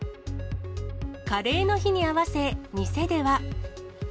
カレーの日に合わせ、店では。